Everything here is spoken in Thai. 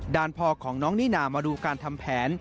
พ่อของน้องนิน่ามาดูการทำแผน